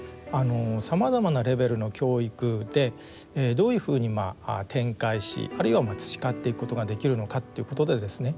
さまざまなレベルの教育でどういうふうに展開しあるいは培っていくことができるのかっていうことでですね